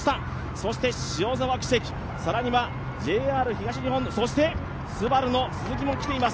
そして塩澤稀夕、更にはＪＲ東日本、そしてＳＵＢＡＲＵの鈴木もきています。